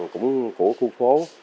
cũng của khu phố